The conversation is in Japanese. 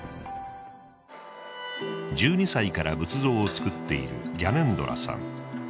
１２歳から仏像を作っているギャネンドラさん。